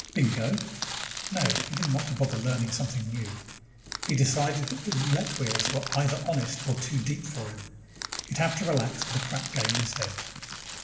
Bingo? No, he didn't want to bother learning something new. He decided that the roulette wheels were either honest or too deep for him. He'd have to relax with a crap game instead.